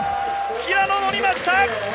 平野、乗りました！